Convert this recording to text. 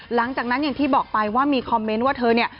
หลังจากนั้นอย่างที่บอกไปว่ามีคอมเมนต์ว่าเธอเนี่ย